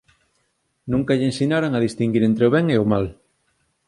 Nunca lle ensinaran a distinguir entre o ben e o mal.